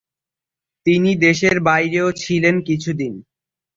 তিনি দেশের বাইরেও ছিলেন কিছু দিন।